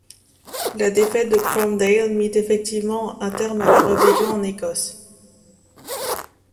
La défaite de Cromdale mit effectivement un terme à la rébellion en Écosse.